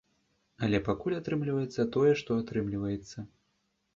Але пакуль атрымліваецца тое, што атрымліваецца.